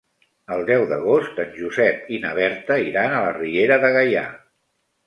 El deu d'agost en Josep i na Berta iran a la Riera de Gaià.